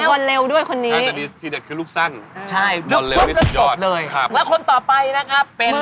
ผมจะหอยแคนเซิลอีกครั้ง